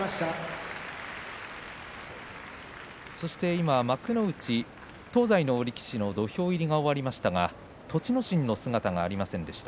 今幕内、東西の力士の土俵入りが終わりましたが栃ノ心の姿がありませんでした。